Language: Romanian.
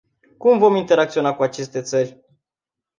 Cum vom interacționa cu aceste țări?